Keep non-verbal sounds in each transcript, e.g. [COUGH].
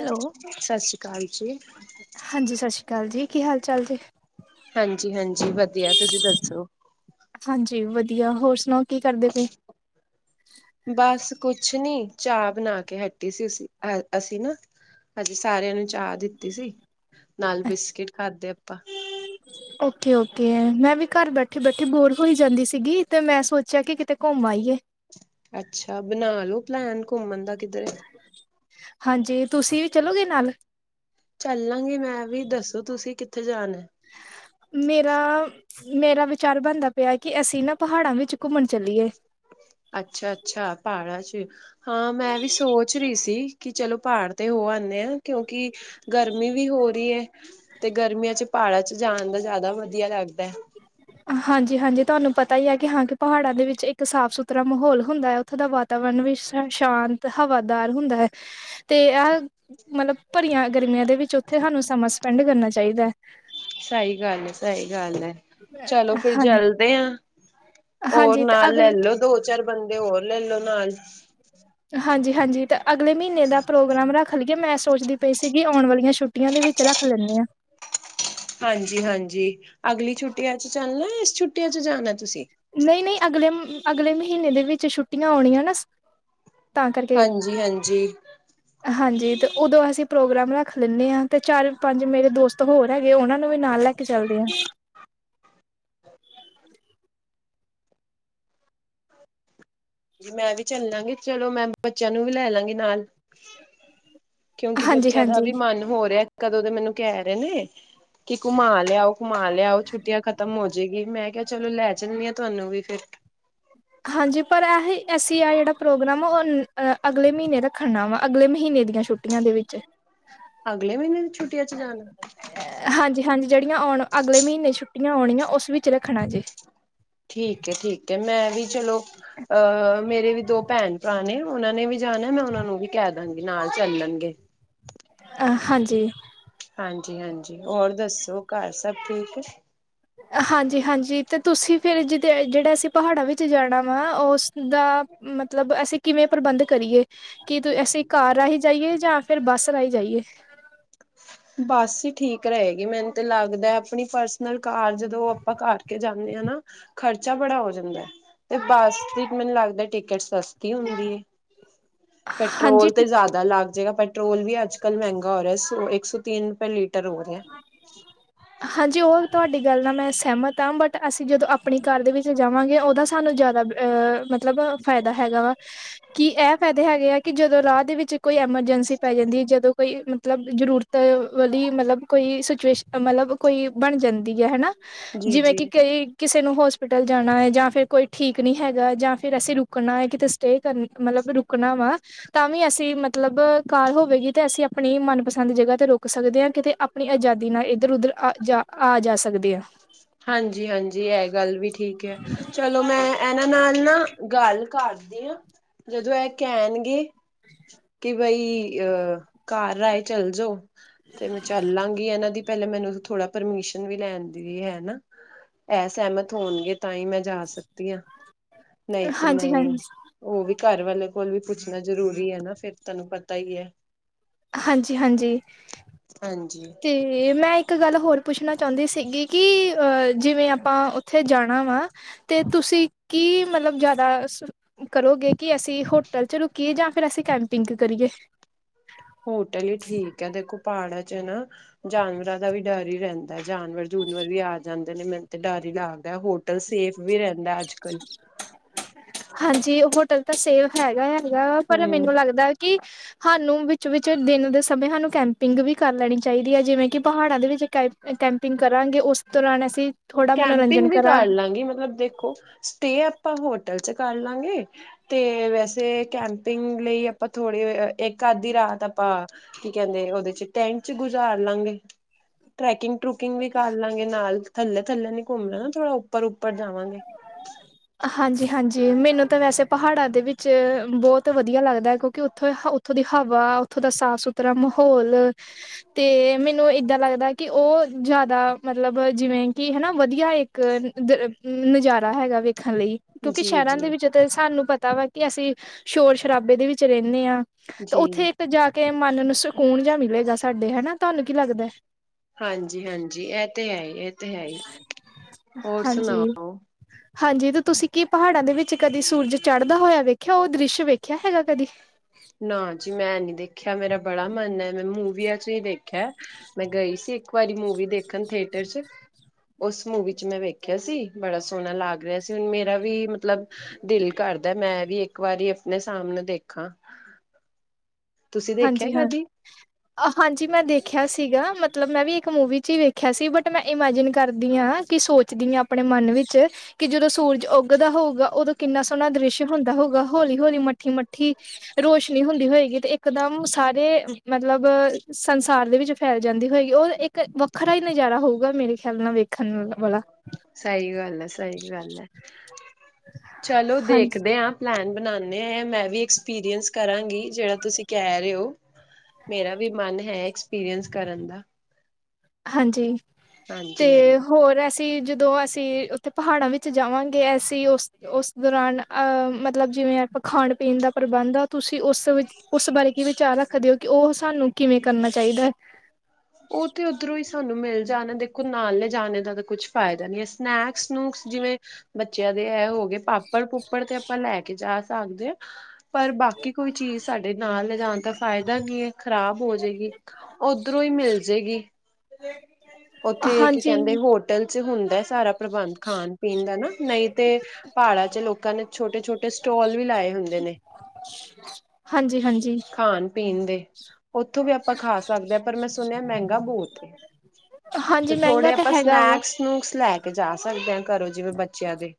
Hello ਸ੍ਰੀ ਅਕਾਲ ਜੀ। ਹਾਂਜੀ, ਸਤਿ ਸ਼੍ਰੀ ਅਕਾਲ ਜੀ, ਕੀ ਹਾਲ ਚਾਲ ਜੀ। ਹਾਂਜੀ ਹਾਂਜੀ ਵਧੀਆ ਤੁਸੀਂ ਦੱਸੋ ਹਾਂਜੀ, ਵਧੀਆ, ਹੋਰ ਸੁਣਾਓ, ਕੀ ਕਰਦੇ ਪਏ? ਬਸ ਕੁਛ ਨੀ ਚਾਹ ਬਣਾ ਕੇ ਹਟੀ ਸੀ ਉਸ ਅ ਅਸੀਂ ਨਾ। ਅਸੀਂ ਸਾਰਿਆਂ ਨੂੰ ਚਾਹ ਦਿੱਤੀ ਸੀ ਨਾਲ ਅੱਛਾ ਬਿਸਕਿਟ ਖਾਧੇ ਆਪਾਂ। ਓਕੇ, ਓਕੇ ਮੈਂ ਵੀ ਘਰ ਬੈਠੇ ਬੈਠੀ ਬੋਰ ਹੋਈ ਜਾਂਦੀ ਸੀਗੀ ਤੇ ਮੈਂ ਸੋਚਿਆ ਕਿ ਕਿਤੇ। ਘੁੰਮ ਆਈਏ ਅੱਛਾ ਬਣਾ ਲੋ ਪਲੈਨ ਘੁੰਮਣ ਦਾ ਕਿੱਧਰ ਹਾਂਜੀ ਤੁਸੀਂ ਵੀ ਚਲੋਗੇ ਨਾਲ ਚੱਲਾਂਗੇ ਮੈਂ ਵੀ ਦੱਸੋ ਤੁਸੀਂ ਕਿੱਥੇ ਜਾਣਾ ਮੇਰਾ ਮੇਰਾ ਵਿਚਾਰ ਬਣਦਾ ਪਿਆ ਕਿ ਅਸੀਂ ਨਾ ਪਹਾੜਾਂ ਵਿੱਚ ਘੁੰਮਣ ਚੱਲੀਏ ਅੱਛਾ ਅੱਛਾ ਪੜਾਂਹਾ ਚ ਹਾਂ ਮੈਂ ਵੀ ਸੋਚ ਰਹੀ ਸੀ ਕਿ ਚਲੋ ਪਹਾੜ ਤੇ ਹੋ ਆਉਂਦੇ ਹਾਂ ਕਿਉਂਕਿ ਗਰਮੀ ਵੀ ਹੋ ਰਹੀ ਹੈ ਤੇ ਗਰਮੀਆਂ ਚ ਪਹਾੜਾਂ ਚ ਜਾਣ ਦਾ ਜ਼ਿਆਦਾ ਵਧੀਆ ਲੱਗਦਾ ਹੈ ਹਾਂਜੀ ਹਾਂਜੀ ਤੁਹਾਨੂੰ ਪਤਾ ਹੀ ਹੈ ਕਿ ਹਾਂ ਕਿ ਪਹਾੜਾਂ ਦੇ ਵਿੱਚ ਇੱਕ ਸਾਫ਼ ਸੁਥਰਾ ਮਾਹੌਲ ਹੁੰਦਾ ਹੈ ਉੱਥੋਂ ਦਾ ਵਾਤਾਵਰਨ ਵੀ ਸ਼ਾਂਤ ਹਵਾਦਾਰ ਹੁੰਦਾ ਹੈ ਤੇ ਆ ਮਤਲਬ ਭਰੀਆਂ ਗਰਮੀਆਂ ਦੇ ਵਿੱਚ ਉੱਥੇ ਸਾਨੂੰ ਸਮਾਂ ਸਪੈਂਡ ਕਰਨਾ ਚਾਹੀਦਾ ਸਹੀ ਗੱਲ ਹੈ ਸਹੀ ਗੱਲ ਹੈ ਚਲੋ ਹੈ ਫਿਰ ਹਾਂਜੀ ਚਲਦੇ ਹਾਂ ਹੋਰ ਹਾਂਜੀ ਤੇ ਨਾਲ ਅਗਲ ਲੈਲੋ ਦੋ ਚਾਰ ਬੰਦੇ ਹੋਰ ਲੈਲੋ ਨਾਲ ਹਾਂਜੀ ਹਾਂਜੀ ਤੇ ਅਗਲੇ ਮਹੀਨੇ ਦਾ ਪ੍ਰੋਗਰਾਮ ਰੱਖ ਲਈਏ ਮੈਂ ਸੋਚਦੀ ਪਈ ਸੀਗੀ ਆਉਣ ਵਾਲੀਆਂ ਛੁੱਟੀ ਛੁੱਟੀਆਂ ਦੇ ਵਿੱਚ ਰੱਖ ਲੈਂਦੇ ਹਾਂ ਹਾਂਜੀ ਹਾਂਜੀ ਅਗਲੀ ਛੁੱਟੀਆਂ ਚ ਚੱਲਣਾ ਇਸ ਛੁਟੀਆਂ ਚ ਜਾਣਾ ਤੁਸੀਂ ਨਹੀਂ ਨਹੀਂ ਅਗਲੇ ਅਗਲੇ ਮਹੀਨੇ ਦੇ ਵਿੱਚ ਛੁੱਟੀਆਂ ਆਉਣੀਆਂ ਨਾ ਤਾਂ ਕਰਕੇ ਹਾਂਜੀ ਹਾਂਜੀ ਹਾਂਜੀ ਅਤੇ ਉਦੋਂ ਅਸੀਂ ਪ੍ਰੋਗਰਾਮ ਰੱਖ ਲੈਂਦੇ ਹਾਂ ਅਤੇ ਚਾਰ ਪੰਜ ਮੇਰੇ ਦੋਸਤ ਹੋਰ ਹੈਗੇ ਉਹਨਾਂ ਨੂੰ ਵੀ ਨਾਲ ਲੈ ਕੇ ਚੱਲਦੀ ਆ ਜੀ ਮੈਂ ਵੀ ਚੱਲਾਂਗੀ ਚਲੋ ਮੈਂ ਬੱਚਿਆਂ ਨੂੰ ਵੀ ਲੈ ਲਾਂਗੀ ਨਾਲ ਕਿਉਂਕਿ ਹਾਂਜੀ ਬੱਚਿਆਂ ਦਾ ਹਾਂਜੀ ਵੀ ਮਨ ਹੋ ਰਿਹਾ ਕਦੋਂ ਤੇ ਮੈਨੂੰ ਕਹਿ ਰਹੇ ਨੇ ਕਿ ਘੁਮਾ ਲਿਆਓ ਘੁਮਾ ਲਿਆਓ ਛੁੱਟੀਆਂ ਖ਼ਤਮ ਹੋ ਜਾਏਗੀ ਮੈਂ ਕਿਹਾ ਚਲੋ ਲੈ ਜਾਂਣੀ ਹਾਂ ਤੁਹਾਨੂੰ ਵੀ ਫੇਿਰ ਹਾਂਜੀ ਪਰ ਇਹ ਐਸੀ ਆ ਜਿਹੜਾ ਪ੍ਰੋਗਰਾਮ ਆ ਉਹ ਅਗਲੇ ਮਹੀਨੇ ਰੱਖਣਾ ਵਾ ਅਗਲੇ ਮਹੀਨੇ ਦੀਆਂ ਛੁੱਟੀ ਛੋਟੀਆਂ ਦੇ ਵਿੱਚ ਅਗਲੇ ਮਹੀਨੇ ਦੀ ਛੁੱਟੀਆਂ ਚ ਜਾਣਾ ਹਾਂਜੀ ਹਾਂਜੀ ਜਿਹੜੀਆਂ ਆਉਣ ਅਗਲੇ ਮਹੀਨੇ ਛੁੱਟੀਆਂ ਆਉਣੀਆਂ ਉਸ ਵਿੱਚ ਰੱਖਣਾ ਜੇ ਠੀਕ ਠੀਕ ਮੈਂ ਵੀ ਚਲੋ ਅਹ ਮੇਰੇ ਵੀ ਦੋ ਭੈਣ ਭਰਾ ਨੇ ਉਹਨਾਂ ਨੇ ਵੀ ਜਾਣਾ ਮੈਂ ਉਹਨਾਂ ਨੂੰ ਵੀ ਕਹਿ ਦਾਂਗੀ ਨਾਲ ਚੱਲਣਗੇ ਹਾਂਜੀ ਹਾਂਜੀ ਹਾਂਜੀ ਹੋਰ ਦੱਸੋ ਘਰ ਸਭ ਠੀਕ ਹਾਂਜੀ ਹਾਂਜੀ ਤੇ ਤੁਸੀਂ ਫਿਰ ਜਿ ਜਿਹੜਾ ਅਸੀਂ ਪਹਾੜਾਂ ਵਿੱਚ ਜਾਣਾ ਵਾ ਉਸ ਦਾ ਮਤਲਬ ਅਸੀਂ ਕਿਵੇਂ ਪ੍ਰਬੰਧ ਕਰੀਏ ਕਿ ਅਸੀਂ ਕਾਰ ਰਾਹੀਂ ਜਾਈਏ ਜਾਂ ਫਿਰ ਬੱਸ ਰਹੀਂ ਜਾਈਏ ਕੀਚ ਬਸ ਹੀ ਠੀਕ ਰਹੇਗੀ ਮੈਨੂੰ ਤੇ ਲੱਗਦਾ ਆਪਣੀ ਪਰਸਨਲ ਕਾਰ ਜਦੋਂ ਆਪਾਂ ਕਰਕੇ ਜਾਂਦੇ ਹਾਂ ਨਾ ਖਰਚਾ ਬੜਾ ਹੋ ਜਾਂਦਾ, ਤੇ ਬੱਸ ਦੀ ਮੈਨੂੰ ਲੱਗਦਾ ਟਿਕਟ ਸਸਤੀ ਹੁੰਦੀ ਹੈ। [UNINTELLIGIBLE] ਪੈਟਰੋਲ ਤੇ ਟ ਜ਼ਿਆਦਾ ਲੱਗ ਜਾਏਗਾ ਪੈਟਰੋਲ ਵੀ ਅੱਜ-ਕੱਲ ਮਹਿੰਗਾ ਹੋ ਰਿਹਾ। ਇੱਕ ਸੌ ਤਿੰਨ ਰੁਪਏ ਲੀਟਰ ਹੋ ਰਿਹਾ ਜਠਕ ਹਾਂਜੀ ਉਹ ਤੁਹਾਡੀ ਗੱਲ ਨਾਲ ਮੈਂ ਸਹਿਮਤ ਹਾਂ ਬਟ ਅਸੀਂ ਜਦੋਂ ਆਪਣੀ ਕਾਰ ਦੇ ਵਿੱਚ ਜਾਵਾਂਗੇ ਉਹਦਾ ਸਾਨੂੰ ਜ਼ਿਆਦਾ ਅਹ ਮਤਲਬ ਫਾਇਦਾ ਹੈਗਾ ਵਾ ਕਿ ਇਹ ਫਾਇਦੇ ਹੈਗੇ ਆ ਕਿ ਜਦੋਂ ਰਾਹ ਦੇ ਵਿੱਚ ਕੋਈ ਐਮਰਜੈਂਸੀ ਪੈ ਜਾਂਦੀ ਹੈ ਜਦੋਂ ਕੋਈ ਮਤਲਬ ਜਰੂਰਤ ਵਾਲੀ ਮਤਲਬ ਕੋਈ ਸਿਚੁਏਸ਼ਨ ਮਤਲਬ ਕੋਈ ਬਣ ਜਾਂਦੀ ਹੈ ਹੈਾ ਜੀ ਜਿਵੇਂ ਕਿ ਜੀ ਕਈ ਕਿਸੇ ਨੂੰ ਹੋਸਪਿਟਲ ਜਾਣਾ ਹੈ ਜਾਂ ਫਿਰ ਕੋਈ ਠੀਕ ਨਹੀਂ ਹੈਗਾ ਜਾਂ ਫਿਰ ਅਸੀਂ ਰੁਕਣਾ ਹੈ ਕਿਤੇ ਸਟੇ ਕਰਨੀ ਮਤਲਬ ਰੁਕਣਾ ਵਾ ਤਾਂ ਵੀ ਅਸੀਂ ਮਤਲਬ ਕਾਰ ਹੋਵੇਗੀ ਤੇ ਅਸੀਂ ਆਪਣੀ ਮਨਪਸੰਦ ਜਗ੍ਹਾ ਤੇ ਰੁਕ ਸਕਦੇ ਹਾਂ ਕਿਤੇ ਆਪਣੀ ਆਜ਼ਾਦੀ ਨਾਲ ਇੱਧਰ-ਉਧਰ, ਹਾਂਜੀ, ਹਾਂਜੀ ਇਹ ਗੱਲ ਵੀ ਠੀਕ ਹੈ। ਚਲੋ, ਮੈਂ ਇਹਨਾਂ ਨਾਲ ਨਾ ਗੱਲ ਕਰਦੇ ਹਾਂ। ਜਦੋਂ ਇਹ ਕਹਿਣਗੇ। ਕਿ ਬਈ ਅਹ ਘਰ ਆਏ ਚੱਲ ਜਾਓ। ਤੇ ਮੈਂ ਚੱਲਾਂਗੀ, ਇਹਨਾਂ ਦੀ ਪਹਿਲੇਾਂ ਮੈਨੂੰ ਥੋੜਾ ਪਰਮਿਸ਼ਨ ਵੀ ਲੈਣ ਦੀ ਹੈ ਨਾ। ਇਹ ਸਹਿਮਤ ਹੋਣਗੇ, ਤਾਂ ਹੀ ਮੈਂ ਜਾ ਸਕਦੀ ਹਾਂ ਨਹੀਂ ਤੇ ਹਾਂਜੀ ਹਾਂਜੀ ਨਹੀਂ। ਉਹ ਵੀ ਘਰ ਵਾਲੇ ਕੋਲ ਵੀ ਪੁੱਛਣਾ ਜ਼ਰੂਰੀ ਹੈ, ਨਾ ਫਿਰ ਤੁਹਾਨੂੰ ਪਤਾ ਹੀ ਹੈ। ਹਾਂਜੀ, ਹਾਂਜੀ ਹਾਂਜੀ ਤੇ। ਅਤੇ ਮੈਂ ਇੱਕ ਗੱਲ ਹੋਰ ਪੁੱਛਣਾ ਚਾਹੁੰਦੀ ਸੀਗੀ, ਕਿ ਜਿਵੇਂ ਆਪਾਂ ਉੱਥੇ ਜਾਣਾ ਵਾ ਤੇ ਤੁਸੀਂ ਕੀ ਮਤਲਬ ਜ਼ਿਆਦਾ ਕਰੋਗੇ ਕਿ ਅਸੀਂ ਹੋਟਲ ਚ ਰੁਕੀਏ, ਜਾਂ ਫਿਰ ਅਸੀਂ ਕੈਂਪਿੰਗ ਕਰੀਏ। ਹੋਟਲ ਹੀ ਠੀਕ ਹੈ, ਦੇਖੋ ਪਹਾੜਾਂ ਚ ਨਾ। ਜਾਨਵਰਾਂ ਦਾ ਵੀ ਡਰ ਹੀ ਰਹਿੰਦਾ, ਜਾਨਵਰ-ਜੂਨਵਰ ਵੀ ਆ ਜਾਂਦੇ ਨੇ ਮੈਨੂੰ ਤੇ ਡਰ ਹੀ ਲੱਗਦਾ ਹੋਰ ਮਤਲਬ ਸੇਫ ਵੀ ਰਹਿੰਦਾ ਅੱਜ-ਕੱਲ੍ਹ, ਹਾਂਜੀ ਹੋਟਲ ਤਾਂ ਸੇਫ ਹੈਗਾ ਹੈਗਾ, ਵਾ ਪਰ ਹਮ ਮੈਨੂੰ ਲੱਗਦਾ ਕਿ ਸਾਨੂੰ ਵਿੱਚ ਵਿਚ ਦਿਨ ਦੇ ਸਮੇਂ ਸਾਨੂੰ ਕੈਂਪਿੰਗ ਵੀ ਕਰ ਲੈਣੀ ਚਾਹੀਦੀ ਹੈ, ਜਿਵੇਂ ਕਿ ਪਹਾੜਾਂ ਦੇ ਵਿੱਚ ਕ ਕੈਂਪਿੰਗ ਕਰਾਂਗੇ ਉਸ ਦੌਰਾਨ ਅਸੀਂ, ਥੋੜ੍ਹਾ ਮਨੋਰੰਜਨ ਕੈਂਪਿੰਗ ਵੀ ਕਰਾਂ ਕਰ ਲਾਂਗੀ, ਮਤਲਬ ਦੇਖੋ ਸਟੇ ਆਪਾਂ ਹੋਟਲ ਚ ਕਰ ਲਾਂਗੇ। ਤੇ ਵੈਸੇ ਕੈਂਪਿੰਗ ਲਈ ਆਪਾਂ ਥੋੜ੍ਹੇ ਇੱਕ ਅੱਧੀ ਰਾਤ ਆਪਾਂ ਕੀ ਕਹਿੰਦੇ ਓਦੇ ਚ ਟੈਂਟ ਚ ਗੁਜ਼ਾਰ ਲਾਂਗੇ ਟ੍ਰੈਕਿੰਗ, ਟਰੁਕਿੰਗ ਵੀ ਕਰ ਲਵਾਂਗੇ, ਨਾਲ ਥੱਲੇ ਥੱਲੇ ਨੀ ਘੁੰਮ ਲੈਣਾ ਥੋੜਾ ਉੱਪਰ ਉੱਪਰ ਜਾਵਾਂਗੇ। ਹਾਂਜੀ, ਹਾਂਜੀ ਮੈਨੂੰ ਤਾਂ ਵੈਸੇ ਪਹਾੜਾਂ ਦੇ ਵਿੱਚ ਬਹੁਤ ਵਧੀਆ ਲੱਗਦਾ ਹੈ ਕਿਉਂਕਿ ਉੱਥੋਂ ਉੱਥੋਂ ਦੀ ਹਵਾ ਉੱਥੋਂ ਦਾ ਸਾਫ਼ ਸੁਥਰਾ ਤਰਾ ਮਾਹੌਲ ਤੇ ਮੈਨੂੰ ਏਦਾਂ ਲੱਗਦਾ ਕਿ ਉਹ ਜਿਆਦਾ ਮਤਲਬ ਜਿਵੇਂ, ਕਿ ਹਨਾ ਵਧੀਆ ਇੱਕ ਨਜ਼ਾਰ ਹੈਗਾ ਵੇਖਣ, ਲਈ ਕਿਉਂਕਿ ਜੀ ਸ਼ਹਿਰਾਂ ਜੀ ਦੇ ਵਿੱਚ ਤੇ ਸਾਨੂੰ ਪਤਾ ਵਾ ਕਿ, ਅਸੀਂ ਸ਼ੋਰ ਸ਼ਰਾਬੇ ਦੇ ਵਿੱਚ ਰਹਿੰਦੇ ਹਾਂ ਤੇ ਜੀ ਉੱਥੇ ਇੱਕ ਜਾ ਕੇ ਮਨ ਨੂੰ ਸਕੂਨ ਜਾ ਮਿਲੇਗਾ, ਸਾਡੇ ਹਨਾ ਤੁਹਾਨੂੰ ਕੀ ਲੱਗਦਾ। ਹਾਂਜੀ-ਹਾਂਜੀ ਇਹ ਤੇ ਹੈ ਹੀ, ਤੇ ਹੈ ਹੀ ਹੋਰ ਹਾਂਜੀ, ਸੁਣਾਓ? ਹਾਂਜੀ, ਤੇ ਤੁਸੀਂ ਕੀ ਪਹਾੜਾਂ ਦੇ ਵਿੱਚ ਕਦੀ ਸੂਰਜ ਚੜ੍ਹਦਾ ਹੋਇਆ ਵੇਖਿਆ, ਉਹ ਦ੍ਰਿਸ਼ ਵੇਖਿਆ ਹੈਗਾ ਕਦੀ। ਨਾ ਜੀ ਮੈਂ ਨੀ ਦੇਖਿਆ, ਮੇਰਾ ਬੜਾ ਮਨ ਹੈ ਮੈਂ ਮੂਵੀਆਂ ਚ ਹੀ ਦੇਖਿਆ। ਮੈਂ ਗਈ ਸੀ ਇੱਕ ਵਾਰੀ ਮੂਵੀ ਦੇਖਣ ਥੀਏਟਰ ਚੱ, ਉਸ ਮੂਵੀ ਚ ਮੈਂ ਵੇਖਿਆ ਸੀ, ਬੜਾ ਸੋਹਣਾ ਲੱਗ ਰਿਹਾ ਸੀ, ਹੁਣ ਮੇਰਾ ਵੀ ਮੱਤਲਬ, ਦਿਲ ਕਰਦਾ ਮੈਂ ਵੀ ਇੱਕ ਵਾਰੀ ਆਪਣੇ ਸਾਹਮਣੇ ਦੇਖਾਂ। ਤੁਸੀਂ ਦੇਖਿਆ ਹਾਂਜੀ ਹਾਂ ਕਦੀ। ਹਾਂਜੀ ਮੈਂ ਦੇਖਿਆ ਸੀਗਾ, ਮੱਤਲਬ ਮੈਂ ਵੀ ਇੱਕ ਮੂਵੀ ਚ ਹੀ ਵੇਖਿਆ। ਰਖਿਆ ਸੀ, ਬਟ ਮੈਂ ਇਮੈਜਿਨ ਕਰਦੀ ਹਾਂ, ਕਿ ਸੋਚਦੀ ਹਾਂ ਆਪਣੇ ਮਨ ਵਿੱਚ ਕਿ ਜਦੋਂ ਸੂਰਜ ਉੱਗਦਾ ਹੋਊਗਾ, ਉਦੋਂ ਕਿੰਨਾ ਸੋਹਣਾ ਦ੍ਰਿਸ਼ ਹੁੰਦਾ ਹੋਊਗਾ, ਹੌਲੀ ਹੌਲੀ ਮੱਠੀ ਮੱਠੀ ਰੋਸ਼ਨੀ ਹੁੰਦੀ ਹੋਏਗੀ ਤੇ ਇੱਕ ਇਕਦਮ ਸਾਰੇ ਮੱਤਲਬ ਸੰਸਾਰ ਦੇ ਵਿੱਚ ਫੈਲ ਜਾਂਦੀ ਹੋਏਗੀ, ਉਹ ਇੱਕ ਵ ਵੱਖਰਾ ਹੀ ਨਜ਼ਾਰਾ ਹੋਊਗਾ, ਮੇਰੇ ਖਿਆਲ ਨਾਲ ਵੇਖਣ ਵਾਲਾ ਸਹੀ ਗੱਲ ਹੈ, ਸਹੀ ਗੱਲ ਹੈ ਚਲੋ ਹਾਂਜੀ ਦੇਖਦੇ ਹਾਂ। ਪਲੈਨ ਬਣਾਉਂਦੇ, ਆ ਮੈਂ ਵੀ ਐਕਸਪੀਰੀਅੰਸ ਕਰਾਂਗੀ, ਜਿਹੜਾ ਤੁਸੀਂ ਕਹਿ ਰਹੇ ਹੋ ਮੇਰਾ ਵੀ ਮਨ ਹੈ, ਐਕਸਪੀਰੀਅੰਸ ਕਰਨ ਦਾ। ਹਾਂਜੀ ਤੇ ਹਾਂਜੀ-ਹਾਂਜੀ। ਹੋਰ ਐਸੇ, ਅਸੀਂ ਜਦੋਂ ਅਸੀਂ ਉੱਥੇ ਪਹਾੜਾਂ ਵਿੱਚ ਜਾਵਾਂਗੇ, ਅਸੀਂ ਉਸ ਉਸ ਦੌਰਾਨ ਅਹ ਮੱਤਲਬ ਜਿਵੇਂ, ਆਪਾਂ ਖਾਣ-ਪੀਣ ਦਾ ਪ੍ਰਬੰਧ ਆ ਤੁਸੀਂ ਉਸ ਵਿੱਚ ਉਸ ਬਾਰੇ ਕੀ ਵਿਚਾਰ ਰੱਖਦੇ ਹੋ, ਕਿ ਉਹ ਸਾਨੂੰ ਕਿਵੇਂ ਕਰਨਾ ਚਾਹੀਦਾ ਹੈ। ਉਹ ਤੇ ਉੱਧਰੋਂ ਹੀ ਸਾਨੂੰ ਮਿਲ ਜਾਣ ਦੇਖੋ, ਨਾਲ ਲਜਾਣੇ ਦਾ ਤਾਂ ਕੁੱਛ ਫਾਇਦਾ ਨੀ। ਸਨੈਕਸ-ਸਨੂਕਸ ਜਿਵੇਂ, ਬੱਚਿਆਂ ਦੇ ਇਹ ਹੋ ਗਏ ਪਾਪੜ ਪਾੱਪੜ ਪੁੱਪੜ ਤੇ ਆਪਾਂ ਲੈ ਕੇ ਜਾ ਸਕਦੇ ਹਾਂ, ਪਰ ਬਾਕੀ ਕੋਈ ਚੀਜ਼ ਸਾਡੇ ਨਾਲ ਲਿਜਾਣ ਤਕ ਫਾਇਦਾ ਕੀ ਹੈ, ਖ਼ਰਾਬ ਹੋ ਜਾਏਗੀ, ਉਧਰੋਂ ਹੀ ਮਿਲ ਹੋਜੇਗੀ, ਉੱਥੇ ਕੀ ਹਾਂਜੀ ਕਹਿੰਦੇ ਹੋਟਲ ਚੱ ਹੁੰਦਾ ਸਾਰਾ ਪ੍ਰਬੰਧ ਖਾਣ ਪੀਣ ਦਾ ਨਾ, ਨਹੀਂ ਤੇ ਪਹਾੜਾਂ ਵਿੱਚ ਲੋਕਾਂ ਨੇ, ਛੋਟੇ ਛੋਟੇ ਸਟਾੱਲ ਵੀ ਲਾਏ ਹੁੰਦੇ ਨੇ। ਹਾਂਜੀ ਹਾਂਜੀ ਖਾਣ ਪੀਣ ਦੇ, ਉੱਥੋਂ ਵੀ ਆਪਾਂ ਖਾ ਸਕਦੇ ਹਾਂ, ਪਰ ਮੈਂ ਸੁਣਿਆ ਮਹਿੰਗਾ ਬਹੁੱਤ ਐ। ਤੇ ਹਾਂਜੀ ਥੋੜੇ ਮਹਿੰਗਾ ਤਾਂ ਆਪਾਂ ਹੈਗਾ ਵਾ ਸਨੈਕਸ ਸਨੂਕਸ ਲੈ ਕੇ ਜਾ ਸਕਦੇ ਹਾਂ, ਘਰੋਂ ਜਿਵੇਂ ਬੱਚਿਆਂ ਦੇ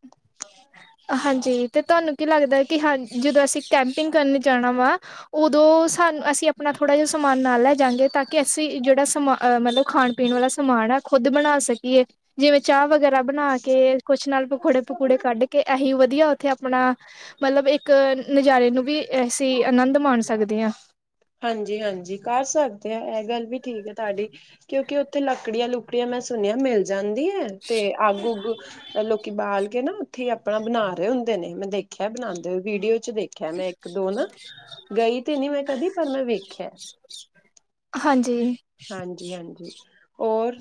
ਹਾਂਜੀ, ਤੇ ਤੁਹਾਨੂੰ ਕੀ ਲੱਗਦਾ ਕਿ ਹਾਂ, ਜਦੋਂ ਅਸੀਂ ਕੈਂਪਿੰਗ ਕਰਨ ਜਾਣਾ ਵਾ ਉਦੋਂ ਸਾਨੂੰ ਅਸੀਂ ਆਪਣਾ ਥੋੜ੍ਹਾ ਜਿਹਾ ਸਮਾਨ ਨਾ ਲੈ ਜਾਗੇ, ਤਾਂ ਕਿ ਅਸੀਂ ਜਿਹੜਾ ਸਮਾਨ ਅ ਮੱਤਲਬ ਖਾਣ ਪੀਣ ਵਾਲਾ ਸਮਾਨ ਐ, ਖੁਦ ਬਣਾ ਸਕੀਏ ਜਿਵੇਂ ਚਾਹ ਵਗੈਰਾ ਬਣਾ ਕੇ, ਕੁਛ ਨਾਲ ਪਕੌੜੇ ਪਕੂੜੇ ਕੱਢ ਕੇ, ਇਹੀ ਵਧੀਆ ਉੱਥੇ ਆਪਣਾ ਮੱਤਲਬ ਇੱਕ ਨਜ਼ਾਰੇ ਨੂੰ ਵੀ, ਅਸੀਂ ਆਨੰਦ ਮਾਣ ਸਕਦੇ ਹਾਂ। ਹਾਂਜੀ ਹਾਂਜੀ ਕਰ ਸਕਦੇ ਹਾਂ, ਇਹ ਗੱਲ ਵੀ ਠੀਕ ਹੈ। ਤੁਹਾਡੀ, ਕਿਉਂਕਿ ਉੱਥੇ ਲੱਕੜੀਆਂ ਲੁਕੜੀਆਂ ਮੈਂ ਸੁਣਿਆ ਮਿਲ ਜਾਂਦੀ ਹੈ, ਤੇ ਅੱਗ ਉੱਗ ਲੋਕੀ ਬਾਲ ਕੇ ਨਾ ਉੱਥੇ ਹੀ ਆਪਣਾ ਬਣਾ ਰਹੇ ਹੁੰਦੇ ਨੇ, ਮੈਂ ਦੇਖਿਆ ਬਣਾਉਂਦੇ ਹੋ ਵੀਡੀਓ ਚ ਦੇਖ ਵੇਖਿਆ ਮੈਂ ਇੱਕ ਦੋ ਨਾ, ਗਈ ਤੇ ਨੀ ਮੈਂ ਕਦੀ। ਪਰ ਮੈਂ ਵੇਖਿਆ ਹਾਂਜੀ ਹਾਂਜੀ ਹਾਂਜੀ, ਹੋਰ,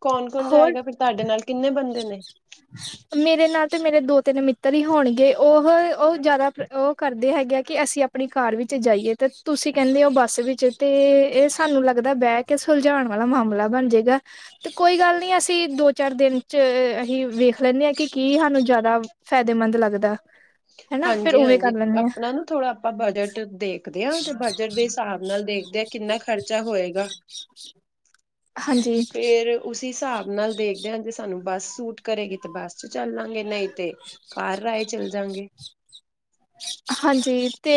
ਕੌਣ ਕੌਣ ਜਾਏਗਾ, ਫਿਰ ਤੁਹਾਡੇ ਨਾਲ ਕਿੰਨੇ ਬੰਦੇ ਨੇ। ਹ [UNINTELLIGIBLE] ਮੇਰੇ ਨਾਲ ਤੇ ਮੇਰੇ ਦੋ ਤਿੰਨ ਮਿੱਤਰ ਹੀ ਹੋਣਗੇ, ਉਹ ਉਹ ਜ਼ਿਆਦਾ ਉਹ ਕਰਦੇ ਹੈਗੇ ਆ, ਕਿ ਅਸੀਂ ਆਪਣੀ ਕਾਰ ਵਿੱਚ ਜਾਈਏ, ਤੇ ਤੁਸੀਂ ਕਹਿੰਦੇ ਹੋ ਬੱਸ ਵਿੱਚ, ਤੇ ਇਹ ਸਾਨੂੰ ਲੱਗਦਾ ਬੈਗ ਏ ਸੁਲਝਾਉਣ ਵਾਲਾ ਮਾਮਲਾ ਬਣ ਜਾਏਗਾ, ਤੇ ਕੋਈ ਗੱਲ ਨਹੀਂ, ਅਸੀਂ ਦੋ ਚਾਰ ਦਿਨ 'ਚ ਅਸੀਂ ਵੇਖ ਲੈਂਦੇ ਹਾਂ ਕਿ ਕੀ ਸਾਨੂੰ ਜ਼ਿਆਦਾ ਫਾਇਦੇ ਮੰਦ ਲੱਗਦਾ ਹਨਾ ਫੇਰ ਹਾਂਜੀ ਉਵੇਂ ਕਰ ਹਾਂਜੀ, ਲੈਂਦੇ ਹਾਂ ਆਪਣਾ ਨਾ ਥੋੜ੍ਹਾ ਆਪਾਂ ਬਜ਼ਟ ਦੇਖਦੇ ਹਾਂ, ਤੇ ਬਜ਼ਟ ਦੇ ਹਿਸਾਬ ਨਾਲ ਦੇਖਦੇ ਆਂ, ਕਿੰਨਾ ਖ਼ਰਚਾ ਹੋਏਗਾ। ਹਾਂਜੀ ਫੇਰ ਉਸੀ ਹਿਸਾਬ ਨਾਲ ਦੇਖਦੇ ਆ, ਜੇ ਸਾਨੂੰ ਬੱਸ ਸੂਟ ਕਰੇਗੀ, ਤੇ ਬੱਸ ਚ ਚੱਲ ਲਾਂਗੇ, ਨਹੀਂ ਤੇ ਕਾਰ ਰਾਏ ਚੱਲ ਜਾਂਗੇ। ਹਾਂਜੀ, ਤੇ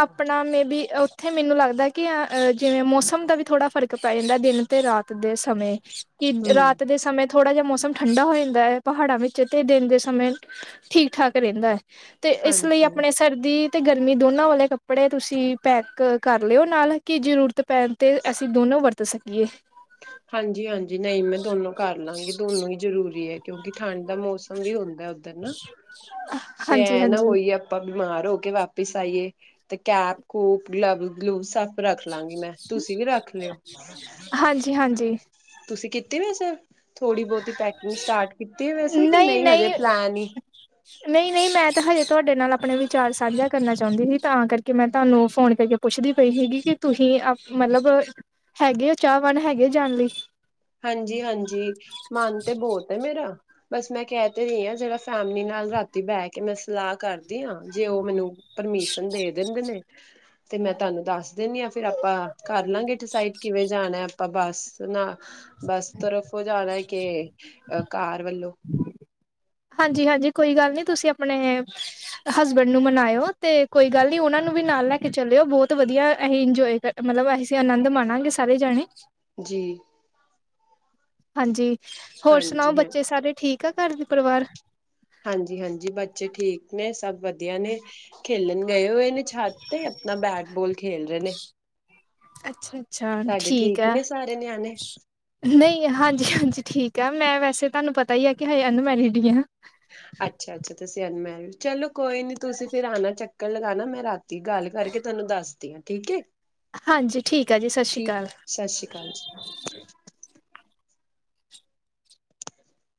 ਆਪਣਾ ਮੇਬੀ ਉੱਥੇ ਮੈਨੂੰ ਲੱਗਦਾ ਕਿ ਅ ਜਿਵੇਂ ਮੌਸਮ ਦਾ ਵੀ ਥੋੜਾ ਫਰਕ- ਇੱਕ ਪੈ ਜਾਂਦਾ ਦਿਨ, ਤੇ ਰਾਤ ਦੇ ਸਮੇਂ ਕਿ ਰਾਤ ਹੂੰ ਰਾਤ ਦੇ ਸਮੇਂ ਥੋੜ੍ਹਾ ਜਿਹਾ ਮੌਸਮ ਠੰਡਾ ਹੋ ਜਾਂਦਾ ਐ ਪਹਾੜਾਂ ਵਿੱਚ, ਤੇ ਦਿਨ ਦੇ ਸਮੇਂ ਠੀਕ ਠਾਕ ਰਹਿੰਦਾ ਐ, ਤੇ ਇਸ ਲਈ ਹਾਂਜੀ। ਆਪਣੇ- ਸਰਦੀ ਅਤੇ ਗਰਮੀ ਦੋਨਾਂ ਵਾਲੇ ਕੱਪੜੇ ਤੁਸੀਂ ਪੈਕ ਕਰ ਲਿਓ ਨਾਲ, ਕੀ ਜ਼ਰੂਰਤ ਪੈਣ ਤੇ ਅਸੀਂ ਦੋਨੋ ਵਰਤ ਸਕੀਏ। ਹਾਂਜੀ, ਹਾਂਜੀ ਨਹੀਂ ਮੈਂ ਦੋਨੋ ਕਰ ਲਾਂਗੀ ਦੋਨੋ ਹੀ ਜ਼ਰੂਰੀ ਐ ਕਿਉਂਕਿ ਠੰਢ ਦਾ ਮੌਸਮ- ਉਹ ਵੀ ਹੁੰਦਾ ਉੱਧਰ ਨਾ। [UNINTELLIGIBLE] ਤੇ ਐਂ ਨਾ ਹਾਂਜੀ ਹੋਈ ਆ- ਆਪਾਂ ਬਿਮਾਰ ਹੋ ਕੇ ਵਾਪਿਸ ਆਈਏ, ਤੇ ਕੈਪ ਕੂਪ ਗਲਵ ਗਲੂਵਜ ਸਭ ਰੱਖ ਲਾਂਗੀ ਮੈਂ, ਤੁਸੀਂ ਵੀ ਰੱਖ ਲਿਓ। ਹਾਂਜੀ ਹਾਂਜੀ ਤੁਸੀਂ ਕੀਤੀ ਵੈਸੇ, ਥੋੜ੍ਹੀ ਬਹੁਤੀ ਪੈਕਿੰਗ ਸਟਾਰਟ ਕੀਤੀ ਵੈਸੇ, ਕਿ ਨਹੀਂ ਹਜੇ ਪਲੈਨ ਹੀ ਨਹੀਂ ਨਹੀਂ, ਮੈਂ ਤਾਂ ਹਜੇ ਤੁਹਾਡੇ ਨਾਲ ਆਪਣੇ ਵਿਚਾਰ ਸਾਂਝਾ ਕਰਨਾ ਚਾਹੁੰਦੀ ਸੀ, ਤਾਂ ਕਰਕੇ ਮੈਂ ਤੁਹਾਨੂੰ ਫ਼ੋਨ ਕਰਕੇ ਪੁੱਛਦੀ ਪਈ ਸੀਗੀ, ਕਿ ਤੁਸੀਂ ਮੱਤਲਬ ਹੈਗੇ ਔ, ਚਾਹਵਾਨ ਹੈਗੇ ਜਾਣ ਲਈ। ਹਾਂਜੀ ਹਾਂਜੀ, ਮਨ ਤੇ ਬਹੁਤ ਹੈ ਮੇਰਾ ਬਸ ਮੈਂ ਕਹਿ ਤੇ ਰਹੀ ਆ, ਜਿਹੜਾ ਫੈਮਲੀ ਨਾਲ ਰਾਤੀ ਬਹਿ ਕੇ ਮੈਂ ਸਲਾਹ ਕਰ ਜੀ ਹਾ, ਜੇ ਉਹ ਮੈਨੂੰ ਪਰਮੀਸ਼ਨ ਦੇ ਦਿੰਦੇ ਨੇ- ਤੇ ਮੈਂ ਤੁਹਾਨੂੰ ਦੱਸ ਦਿੰਨੀ ਆ ਫ਼ਿਰ ਆਪਾਂ ਕਰ ਲਾਗੇ ਡਿਸਾਈਡ ਕਿਵੇਂ ਜਾਣਾ ਆਪਾਂ ਬੱਸ ਨਾ ਬੱਸ ਤਰਫੋਂ ਜਾਣਾ ਕਿ ਕਾਰ ਵੱਲੋਂ। ਹਾਂਜੀ ਹਾਂਜੀ ਕੋਈ ਗੱਲ ਨਹੀਂ ਤੁਸੀਂ ਆਪਣੇ ਹਸਬੈਂਡ ਨੂੰ ਮਨਾਈਓ ਤੇ ਕੋਈ ਗੱਲ ਨੀ ਉਹਨਾਂ ਨੂੰ ਵੀ ਨਾਲ ਲੈ ਕੇ ਚੱਲਿਓ, ਬਹੁਤ ਵਧੀਆ ਅਸੀਂ ਇੰਜੋਵਏ ਕਰ ਮਤਲਬ ਅਸੀਂ ਆਨੰਦ ਮਾਣਾਂਗੇ ਸਾਰੇ ਜਾਣੇ। ਜੀ। ਹਾਂਜੀ ਹੋਰ ਸੁਣਾਓ ਹਾਂਜੀ ਹਾਂ ਬੱਚੇ ਸਾਰੇ ਠੀਕ ਆ ਘਰ ਪਰਿਵਾਰ। ਹਾਂਜੀ, ਹਾਂਜੀ ਬੱਚੇ ਠੀਕ ਨੇ ਸਭ ਵਧੀਆ ਨੇ ਖੇਲਣ ਗਏ ਹੋਏ ਆਪਣਾ ਛੱਤ ਤੇ ਆਪਣਾ ਬੈਟ ਬਾਲ ਖੇਲ ਰਹੇ ਨੇ। ਅੱਛਾ, ਅੱਛਾ ਤੁਹਾਡੇ ਠੀਕ ਐ। ਨੇ ਸਾਰੇ ਨਿਆਣੇ ਨਹੀਂ ਹਾਂਜੀ, ਹਾਂਜੀ ਠੀਕ ਆ ਮੈਂ ਵੈਸੇ ਤੁਹਾਨੂੰ ਪਤਾ ਹੀ ਆ ਕਿ ਹਜੇ ਅਨਮੈਰਿਡ ਹੀ ਹਾਂ। ਅੱਛਾ, ਅੱਛਾ ਤੁਸੀਂ ਅਨਮੈਰਿਡ ਚਲੋ ਕੋਈ ਨੀ ਤੁਸੀਂ ਫਿਰ ਆਣਾ ਚੱਕਰ ਲਗਾਣਾ ਮੈਂ ਰਾਤੀ ਗੱਲ ਕਰਕੇ ਤੁਹਾਨੂੰ ਦੱਸਦੀ ਆ, ਠੀਕ ਐ। ਹਾਂਜੀ ਠੀਕ ਆ ਜੀ ਸਤਿ ਸ਼੍ਰੀ ਅਕਾਲ। ਸਤਿ ਸ਼੍ਰੀ ਅਕਾਲ ਜੀ।